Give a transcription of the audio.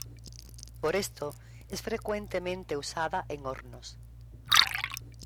Por esto, es frecuentemente usada en hornos.